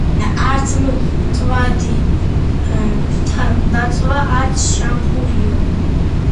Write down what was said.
არც მწვადი დაწვა, არც შამფურიო.